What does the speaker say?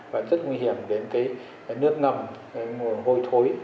và rất nguy hiểm đến nước nầm mùi hôi thối